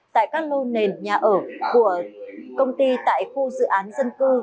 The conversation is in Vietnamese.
tại các lô nền nhà ở của công ty tại khu dự án dân cư